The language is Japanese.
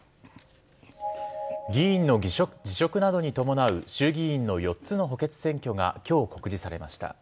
議員の辞職などに伴う衆議院の４つの補欠選挙がきょう、告示されました。